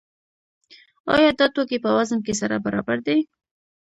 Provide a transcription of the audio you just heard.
آیا دا توکي په وزن کې سره برابر دي؟